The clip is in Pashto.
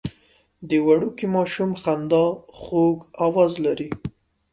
د وړوکي ماشوم خندا خوږ اواز لري.